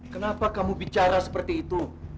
kenapa kamu bicara seperti itu